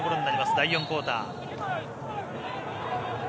第４クオーター。